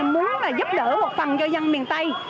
muốn giúp đỡ một phần cho dân miền tây